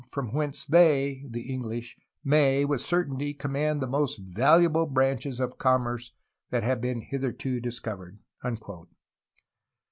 . from whence they [the English] may, with certainty, command the most valu able branches of commerce that have been hitherto discovered."